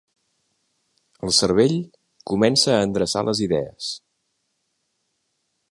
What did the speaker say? El cervell comença a endreçar les idees.